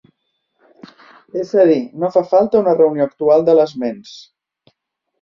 Es a dir, no fa falta una reunió actual de les ments.